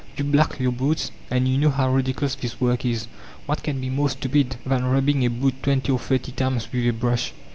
You black your boots, and you know how ridiculous this work is. What can be more stupid than rubbing a boot twenty or thirty times with a brush?